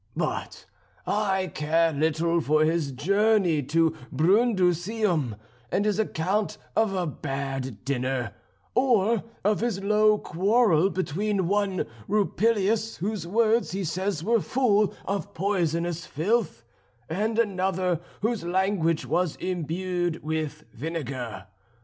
But I care little for his journey to Brundusium, and his account of a bad dinner, or of his low quarrel between one Rupilius whose words he says were full of poisonous filth, and another whose language was imbued with vinegar.